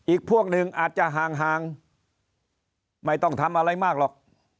พวกหนึ่งอาจจะห่างไม่ต้องทำอะไรมากหรอก